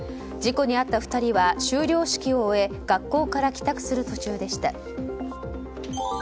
事故に遭った２人は修了式を終え学校から帰宅する途中でした。